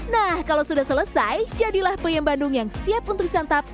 nah kalau sudah selesai jadilah peyem bandung yang siap untuk disantap